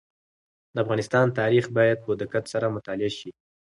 د افغانستان تاریخ باید په دقت سره مطالعه شي.